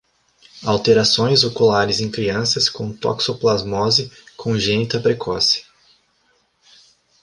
Alterações oculares em crianças com toxoplasmose congênita precoce